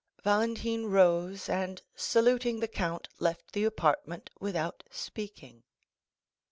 Valentine rose, and saluting the count, left the apartment without speaking.